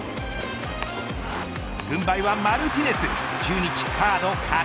軍配はマルチネス。